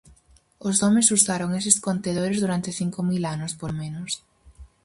Os homes usaron eses contedores durante cinco mil anos, polo menos.